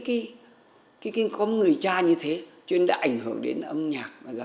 cho nên chính cái có người cha như thế cho nên đã ảnh hưởng đến âm nhạc